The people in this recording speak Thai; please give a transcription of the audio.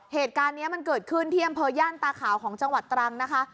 เหตุการณ์นี้มันเกิดขึ้นที่อำเภอย่านตาขาวของจังหวัดตรังนะคะ